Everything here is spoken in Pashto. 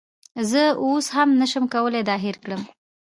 زه اوس هم نشم کولی دا هیر کړم